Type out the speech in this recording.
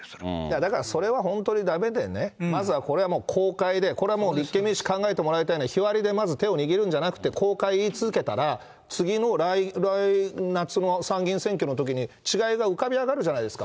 だからそれは本当にだめでね、まずはこれはもう、公開で、これはもう立憲民主、考えてもらいたいのは日割りでまず手を握るんじゃなくて公開言い続けたら、次の来夏の参議院選挙のときに、違いが浮かび上がるじゃないですか。